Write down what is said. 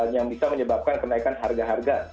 yang bisa menyebabkan kenaikan harga harga